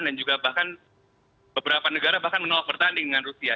dan juga bahkan beberapa negara bahkan menolak pertandingan dengan rusia